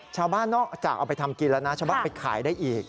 ชาวบ้านนอกจากเอาไปทำกินแล้วนะชาวบ้านไปขายได้อีก